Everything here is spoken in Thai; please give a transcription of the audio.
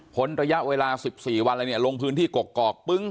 พ้นระยะเวลา๑๔วันแล้วลงพื้นที่กอกกอก